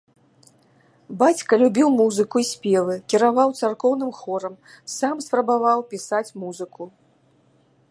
Бацька любіў музыку і спевы, кіраваў царкоўным хорам, сам спрабаваў пісаць музыку.